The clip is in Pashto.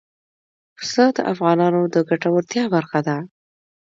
پسه د افغانانو د ګټورتیا برخه ده.